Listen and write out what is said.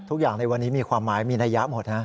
ทุกอย่างในวันนี้มีความหมายมีนัยยะหมดนะ